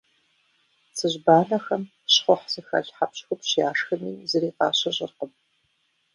Цыжьбанэхэм щхъухь зыхэлъ хьэпщхупщ яшхми, зыри къащыщӏыркъым.